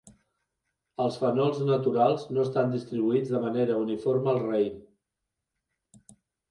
Els fenols naturals no estan distribuïts de manera uniforme al raïm.